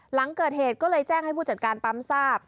หลังเกิดเหตุก็เลยแจ้งให้ผู้จัดการปั๊มทราบ